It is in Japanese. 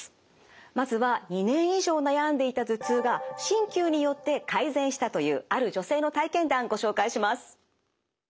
まずは２年以上悩んでいた頭痛が鍼灸によって改善したというある女性の体験談ご紹介します。